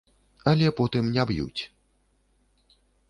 Але потым не б'юць.